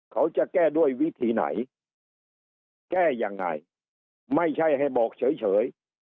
เขาจะแก้ด้วยวิธีไหนจะแก้ยังไงไม่ใช่ให้บอกเฉย